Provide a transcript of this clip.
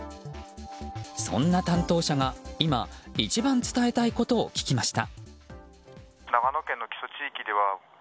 そんな担当者が今、一番伝えたいことを聞きました。